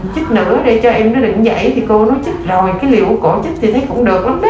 chích nữa để cho em nó định dậy thì cô nó chích rồi cái liệu của cổ chích thì thấy cũng được lắm đó